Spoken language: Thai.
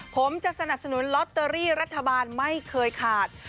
ผมจะสนับสนุนลอตเตอรี่รัฐบาลไม่เคยขาด